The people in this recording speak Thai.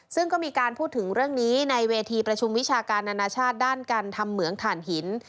ซึ่งก็มีการพูดถึงเรื่องนี้ในเวทีประชุมวิชาการอนาชาติด้านการทำเหมืองถ่านหิน